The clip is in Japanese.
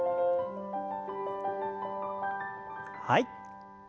はい。